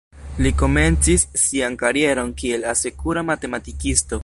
Li komencis sian karieron kiel asekura matematikisto.